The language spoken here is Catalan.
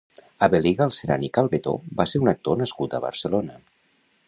Avel·lí Galceran i Calbetó va ser un actor nascut a Barcelona.